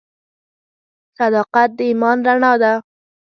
• صداقت د ایمان رڼا ده.